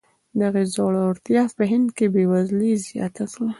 دغې ځوړتیا په هند کې بېوزلي زیاته کړه.